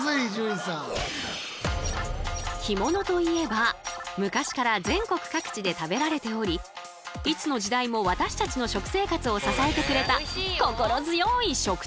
干物といえば昔から全国各地で食べられておりいつの時代も私たちの食生活を支えてくれた